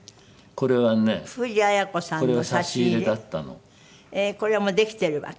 これはもうできてるわけ？